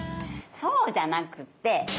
そうじゃなくってカラダ！